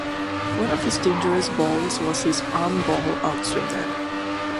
One of his dangerous balls was his arm ball outswinger.